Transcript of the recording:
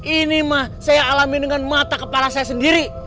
ini mah saya alami dengan mata kepala saya sendiri